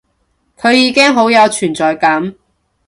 佢已經好有存在感